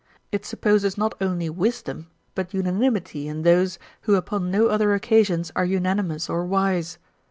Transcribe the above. It supposes not only wisdom, but unanimity in those, who upon no other occasions are unanimous or wise.